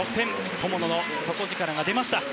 友野の底力が出ました。